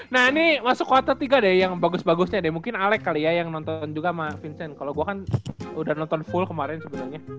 nah ini masuk kuartal tiga deh yang bagus bagusnya deh mungkin alec kali ya yang nonton juga sama vincent kalau gue kan udah nonton full kemarin sebenarnya